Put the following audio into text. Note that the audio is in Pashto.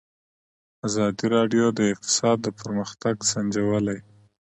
ازادي راډیو د اقتصاد پرمختګ سنجولی.